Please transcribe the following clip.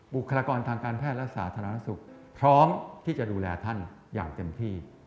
บุคลากรทางการแพทย์และสาธารณสุขพร้อมที่จะดูแลท่านอย่างเต็มที่